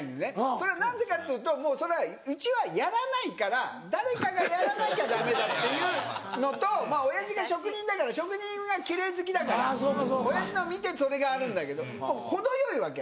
それは何でかっていうとそれはうちはやらないから誰かがやらなきゃダメだっていうのと親父が職人だから職人は奇麗好きだから親父の見てそれがあるんだけど程よいわけ。